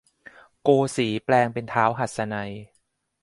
โกสีย์แปลงเป็นท้าวหัสนัยน์